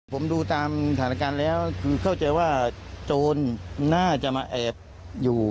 ผมดูตามสถานการณ์แล้วเข้าใจว่าโจรน่าจะมาแอบอยู่